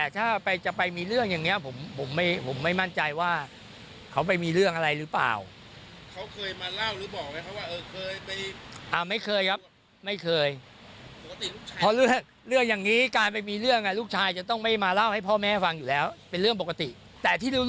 คิดว่าลูกผมคงจะไม่ไปให้